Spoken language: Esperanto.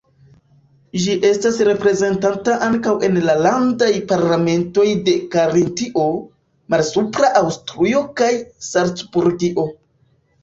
Ĝi estas reprezentata ankaŭ en la landaj parlamentoj de Karintio, Malsupra Aŭstrujo kaj Salcburgio.